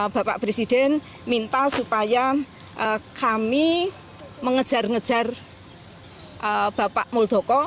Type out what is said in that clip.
bapak presiden minta supaya kami mengejar ngejar bapak muldoko